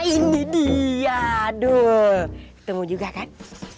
ini dia aduh ketemu juga kan